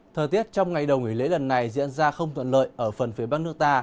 thời tiết trong ngày đầu nghỉ lễ lần này diễn ra không thuận lợi ở phần phía bắc nước ta